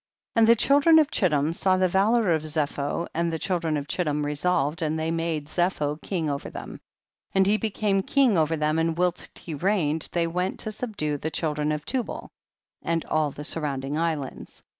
24. And the children of Chittim saw the valor of Zepho, and the chil THE BOOK OF JASHER. 197 dren of Chittim resolved and ihey made Zepho king over them, and he became king over them, and whilst he reigned they went to subdue the children of Tubal, and all the sur rounding islands.